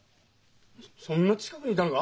そんな近くにいたのが？